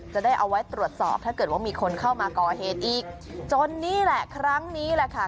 จะได้เอาไว้ตรวจสอบถ้าเกิดว่ามีคนเข้ามาก่อเหตุอีกจนนี่แหละครั้งนี้แหละค่ะ